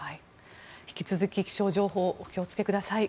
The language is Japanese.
引き続き気象情報お気をつけください。